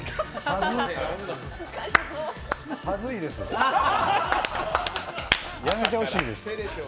恥ずいですやめてほしいです。